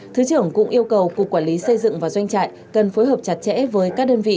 thứ trưởng cũng yêu cầu cục quản lý xây dựng và doanh trại cần phối hợp chặt chẽ với các đơn vị